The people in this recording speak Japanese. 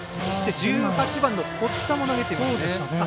１８番の堀田も投げてます。